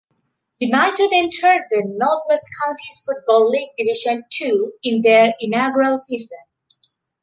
United entered the North West Counties Football League Division Two in their inaugural season.